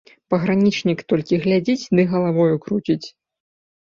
Пагранічнік толькі глядзіць ды галавою круціць.